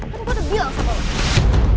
kan gue udah bilang sama lo